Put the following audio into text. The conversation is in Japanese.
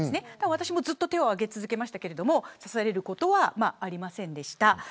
私も手を挙げましたが指されることはありませんでした。